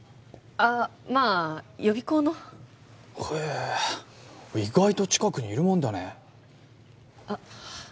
ああまあ予備校のへえ意外と近くにいるもんだねあっ